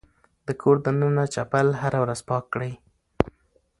د کور دننه چپل هره ورځ پاک کړئ.